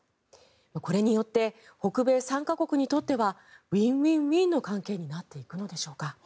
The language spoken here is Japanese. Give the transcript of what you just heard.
これによって北米３か国にとってはウィンウィンウィンの関係になっていくのでしょうか。